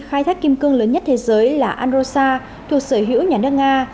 khai thác kim cương lớn nhất thế giới là anrosa thuộc sở hữu nhà nước nga